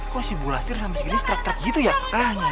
kok si bu lastir sampe segini strak strak gitu ya